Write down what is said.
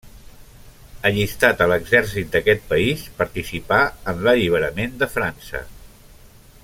Allistat a l'exèrcit d'aquest país, participà en l'alliberament de França.